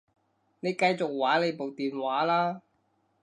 你繼續玩你部電話啦